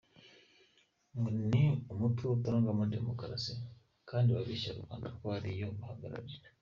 Ngo ni umutwe utarangwamo democracy kandi babeshya rubanda ko ariyo baharanira.